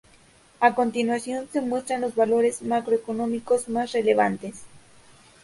A continuación se muestran los valores macro-económicos más relevantes.